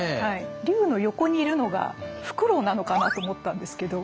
竜の横にいるのがふくろうなのかなと思ったんですけど。